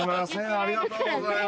ありがとうございます。